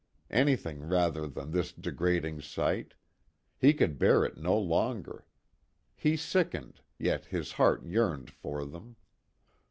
Anything rather than this degrading sight; he could bear it no longer. He sickened, yet his heart yearned for them.